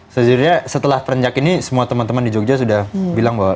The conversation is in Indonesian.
sejujurnya setelah perenjak ini semua teman teman di jogja sudah bilang bahwa